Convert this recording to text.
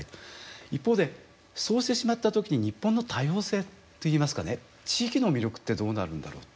一方でそうしてしまった時に日本の多様性といいますかね地域の魅力ってどうなるんだろう。